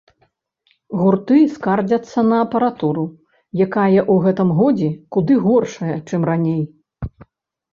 Гурты скардзяцца на апаратуру, якая ў гэтым годзе куды горшая, чым раней.